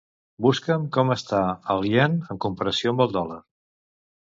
Busca'm com està el ien en comparació amb el dòlar.